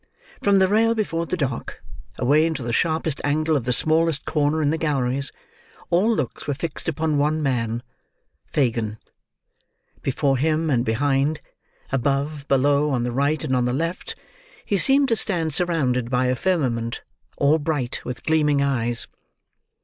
From the rail before the dock, away into the sharpest angle of the smallest corner in the galleries, all looks were fixed upon one man—Fagin. Before him and behind: above, below, on the right and on the left: he seemed to stand surrounded by a firmament, all bright with gleaming eyes.